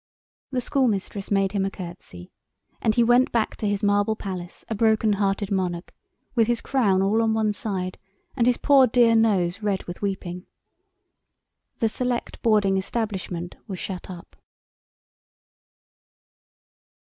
The schoolmistress made him a curtsey, and he went back to his marble palace a broken hearted monarch, with his crown all on one side and his poor, dear nose red with weeping. The select boarding establishment was shut up.